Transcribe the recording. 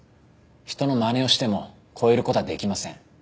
人のまねをしても超える事はできません。